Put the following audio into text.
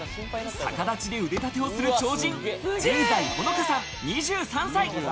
逆立ちで腕立てをする超人、陣在ほのかさん、２３歳。